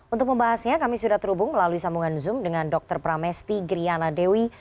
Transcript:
untuk membahasnya kami sudah terhubung melalui sambungan zoom dengan dr pramesti griana dewi